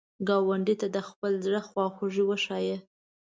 ګاونډي ته د خپل زړه خواخوږي وښایه